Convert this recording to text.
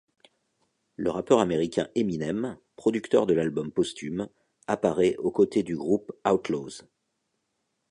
Le rappeur américain Eminem, producteur de l'album posthume, apparaît aux côtés du groupe Outlawz.